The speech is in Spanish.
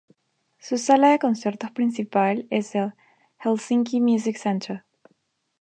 Su sala de conciertos principal es el Helsinki Music Centre.